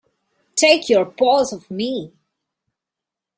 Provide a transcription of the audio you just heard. Take your paws off me!